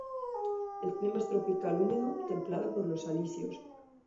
El clima es tropical húmedo, templado por los alisios.